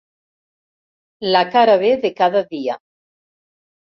La cara be de cada dia.